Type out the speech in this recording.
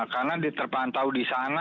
karena diterpantau di sana